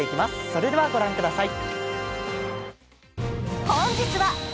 それでは御覧ください。